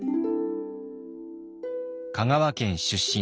香川県出身。